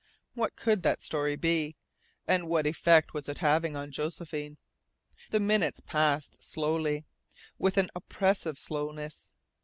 What could that story be? And what effect was it having on Josephine? The minutes passed slowly with an oppressive slowness.